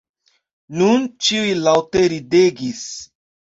Nun ĉiuj laŭte ridegis.